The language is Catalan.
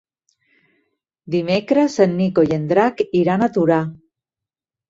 Dimecres en Nico i en Drac iran a Torà.